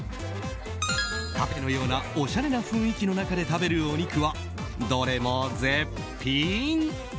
カフェのようなおしゃれな雰囲気の中で食べるお肉はどれも絶品。